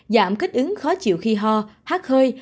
giảm kích ứng khó chịu khi ho hát hơi